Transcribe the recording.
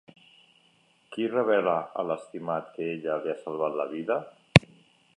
Qui revela a l'estimat que ella li ha salvat la vida?